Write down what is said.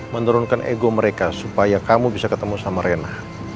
menurunkan ego mereka supaya kamu bisa ketemu sama rena